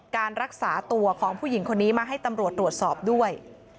การรักษาตัวของผู้หญิงคนนี้มาให้ตำรวจตรวจสอบด้วย